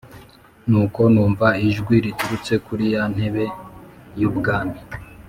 Nuko numva ijwi riturutse kuri ya ntebe y’ubwami